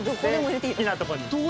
好きなとこに。